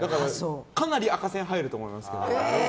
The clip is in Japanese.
かなり赤線入ると思いますけど。